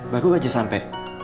baru aja sampe